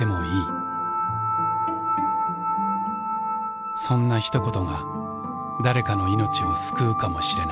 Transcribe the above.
そんなひと言が誰かの命を救うかもしれない。